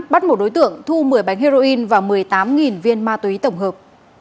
bắt một đối tượng thu một mươi bánh heroin và một mươi tám viên ma túy tổng hợp